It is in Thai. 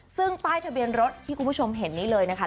ซึ่งป้ายทะเบียนรถที่คุณผู้ชมเห็นนี้เลยนะคะ